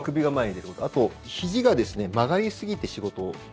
あとひじが曲がりすぎて仕事を。